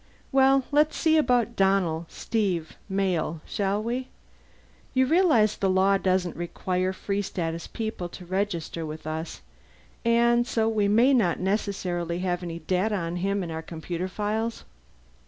Well, let's see about Donnell Steve Male, shall we? You realize the law doesn't require Free Status people to register with us, and so we may not necessarily have any data on him in our computer files?"